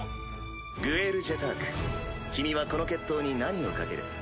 グエル・ジェターク君はこの決闘に何を賭ける？